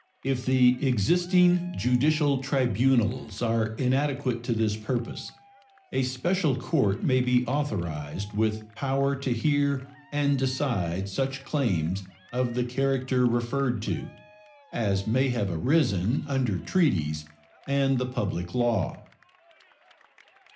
If the existing judicial tribunals are inadequate to this purpose, a special court may be authorized, with power to hear and decide such claims of the character referred to as may have arisen under treaties and the public law.